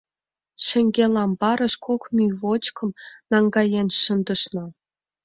Шеҥгел амбарыш кок мӱй вочкым наҥгаен шындышна.